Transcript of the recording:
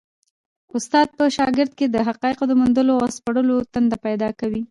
استاد په شاګرد کي د حقایقو د موندلو او سپړلو تنده پیدا کوي.